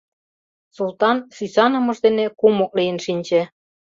Султан сӱсанымыж дене кумык лийын шинче.